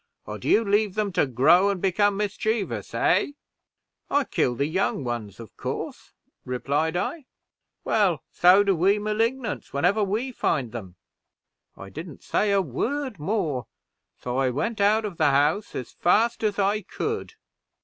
or do you leave them to grow, and become mischievous, eh?' 'I kill the young ones, of course,' replied I. 'Well, so do we Malignants whenever we find them.' I didn't say a word more, so I went out of the house as fast as I could."